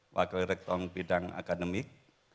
wakil rektor bidang akademik